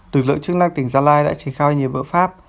từng lượng chức năng tỉnh gia lai đã trình khai nhiều vỡ pháp